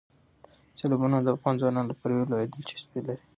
سیلابونه د افغان ځوانانو لپاره یوه لویه دلچسپي لري.